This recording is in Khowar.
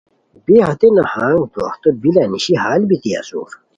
بی ہتے نہنگان دواہتو بیلہ نیشی ہال بیتی اسور